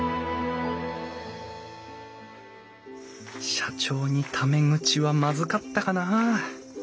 社長にタメ口はまずかったかな。